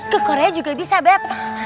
ke korea juga bisa bapak